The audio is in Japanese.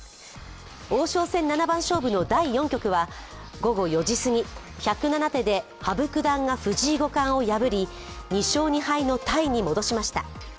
王将戦七番勝負の第４局は午後４時すぎ、１０７手で羽生九段が藤井五冠を破り２勝２敗のタイに戻しました。